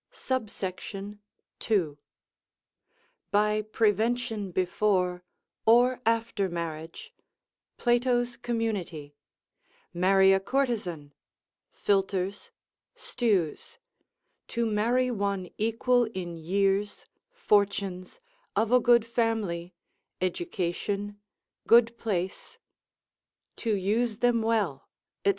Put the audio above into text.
SUBSECT. II.—_By prevention before, or after Marriage, Plato's Community, marry a Courtesan, Philters, Stews, to marry one equal in years, fortunes, of a good family, education, good place, to use them well, &c.